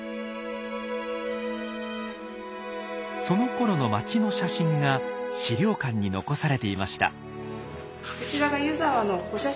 そのころの町の写真が資料館に残されていました。